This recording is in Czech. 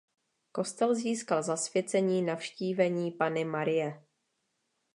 Kostel získal zasvěcení Navštívení Panny Marie.